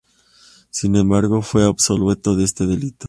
Sin embargo, fue absuelto de este delito.